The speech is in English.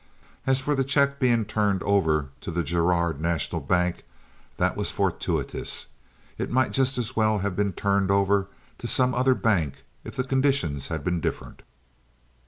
As for the check being turned over to the Girard National Bank, that was fortuitous. It might just as well have been turned over to some other bank if the conditions had been different.